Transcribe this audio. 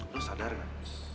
lo sadar kan